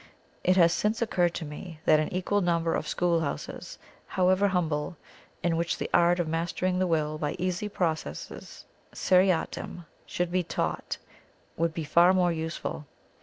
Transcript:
It has since occurred to me that an equal number of school houses, however humble, in which the art of mastering the Will by easy processes seriatim should be taught, would be far more useful.